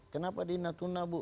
kenapa di natuna bu